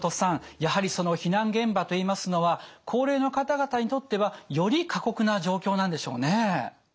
やはりその避難現場といいますのは高齢の方々にとってはより過酷な状況なんでしょうね。